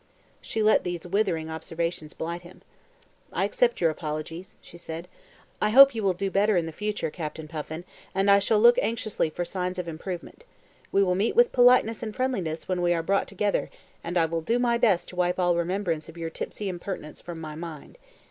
She let these withering observations blight him. "I accept your apologies," she said. "I hope you will do better in the future, Captain Puffin, and I shall look anxiously for signs of improvement. We will meet with politeness and friendliness when we are brought together and I will do my best to wipe all remembrance of your tipsy impertinence from my mind.